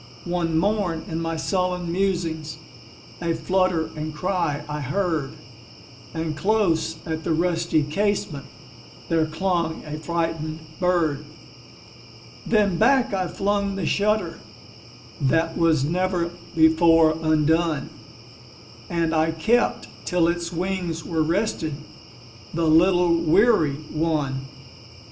One morn, in my sullen musings,A flutter and cry I heard; And close at the rusty casementThere clung a frightened bird. Then back I flung the shutterThat was never before undone, And I kept till its wings were restedThe little weary one.